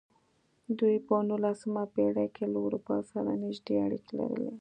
دوی په نولسمه پېړۍ کې له اروپا سره نږدې اړیکې لرلې.